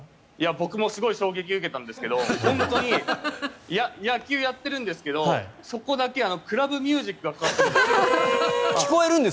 僕もすごい衝撃を受けたんですけど本当に野球をやってるんですけどそこだけクラブミュージックがかかってるんです。